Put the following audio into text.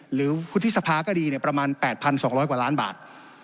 หรือวุฒิสภาก็ดีประมาณ๘๒๐๐กว่าล้านบาท